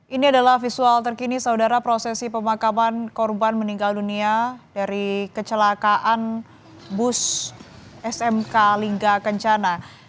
ini adalah visual terkini saudara prosesi pemakaman korban meninggal dunia dari kecelakaan bus smk lingga kencana